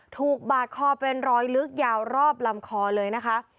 ถูกบาดคอเป็นรอยลึกยาวรอบลำคอเลยนะคะ